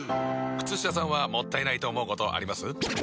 靴下さんはもったいないと思うことあります？